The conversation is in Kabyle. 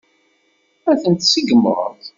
Ad ten-tseggmeḍ?